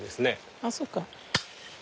あっそっか。